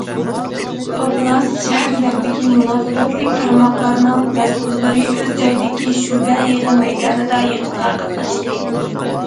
ئوبلاست، شەھەرلەردىكى مۇناسىۋەتلىك تارماقلارنىڭ مەسئۇللىرى ئۆز جايىدىكى شۆبە يىغىن مەيدانىدا يىغىنغا قاتناشتى.